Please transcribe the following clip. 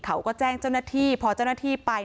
เขาก็แจ้งเจ้าหน้าที่พอเจ้าหน้าที่ไป